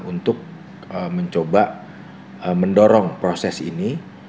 untuk mencoba mendorong proses ini